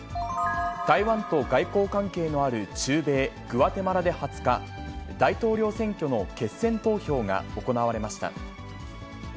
台湾と外交関係のある中米グアテマラで２０日、大統領選挙の決選投票が行われました。